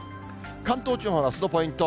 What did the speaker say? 関東地方のあすのポイント。